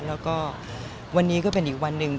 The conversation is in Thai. แล้วก็วันนี้ก็เป็นอีกวันหนึ่ง